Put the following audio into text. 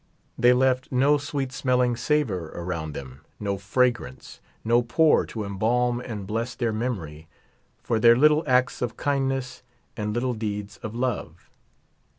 They left no sweet smelling savor around them, no fragrance, no poor to embalm and bless their memory for their Little acts of kindness And little deeds of love.